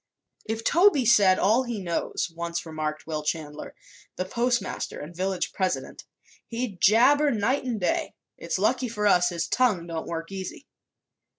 "If Toby said all he knows," once remarked Will Chandler, the postmaster and village president, "he'd jabber night an' day. It's lucky for us his tongue don't work easy."